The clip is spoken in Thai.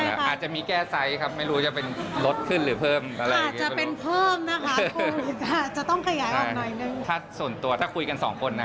เสร็จสับทำเองหมดเลยแล้วก็เลื่อนอะไรอย่างนี้ค่ะ